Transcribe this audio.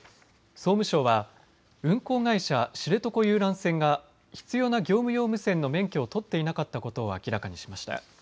総務省は運航会社、知床遊覧船が必要な業務用無線の免許を取っていなかったことを明らかにしました。